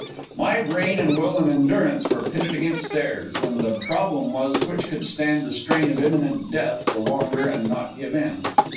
My brain and will and endurance were pitted against theirs, and the problem was which could stand the strain of imminent death the longer and not give in.